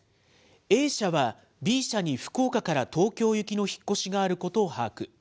Ａ社はＢ社に福岡から東京行きの引っ越しがあることを把握。